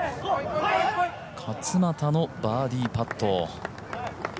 勝俣のバーディーパット。